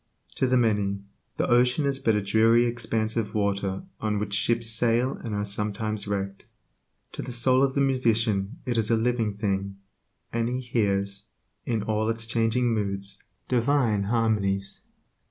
To the many, the ocean is but a dreary expanse of water on which ships sail and are sometimes wrecked; to the soul of the musician it is a living thing, and he hears, in all its changing moods, divine harmonies.